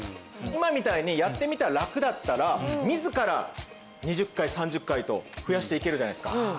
今みたいにやってみたら楽だったら自ら２０回３０回と増やしていけるじゃないですか